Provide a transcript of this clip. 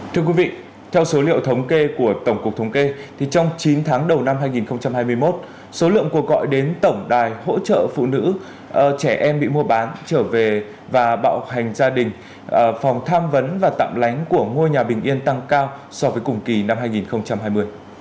thưa quý vị theo số liệu thống kê của tổng cục thống kê trong chín tháng đầu năm hai nghìn hai mươi một số lượng cuộc gọi đến tổng đài hỗ trợ phụ nữ trẻ em bị mua bán trở về và bạo hành gia đình phòng tham vấn và tạm lánh của ngôi nhà bình yên tăng cao so với cùng kỳ năm hai nghìn hai mươi